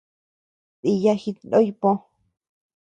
Dìya jitnoy pö.